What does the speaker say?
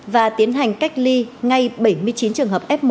và tiến hành cách ly ngay bảy mươi chín trường hợp f một